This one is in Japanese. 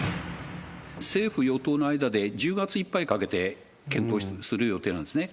政府・与党の間で１０月いっぱいかけて検討する予定なんですね。